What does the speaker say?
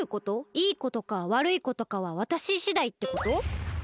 いいことかわるいことかはわたししだいってこと？